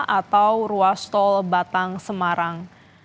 atau ruas tol batang semarang